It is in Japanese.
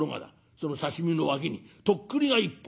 その刺身の脇にとっくりが１本。